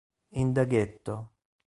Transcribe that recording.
In the Ghetto